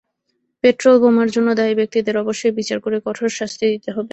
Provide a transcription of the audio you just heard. পেট্রলবোমার জন্য দায়ী ব্যক্তিদের অবশ্যই বিচার করে কঠোর শাস্তি দিতে হবে।